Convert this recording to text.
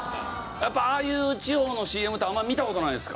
やっぱああいう地方のＣＭってあんまり見た事ないですか？